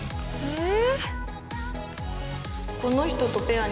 え。